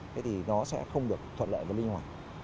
thế thì nó sẽ không được thuận lợi với linh hoạt